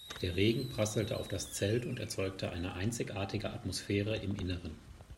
Der Regen prasselte auf das Zelt und erzeugte eine einzigartige Atmosphäre im Innern.